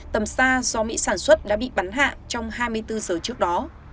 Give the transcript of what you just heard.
tầm xa do mỹ sản xuất đã bị bắn hạ trong hai mươi bốn giờ trước đó